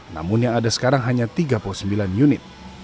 namun yang ada sekarang hanya tiga puluh sembilan unit